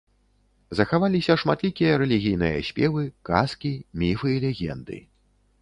Захаваліся шматлікія рэлігійныя спевы, казкі, міфы і легенды.